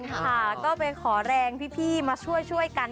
ค่ะก็ไปขอแรงพี่มาช่วยกัน